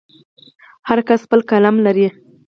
هر کس خپل قلم لري.